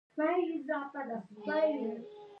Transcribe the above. انګلیسیانو د آرامۍ ساه وایستله.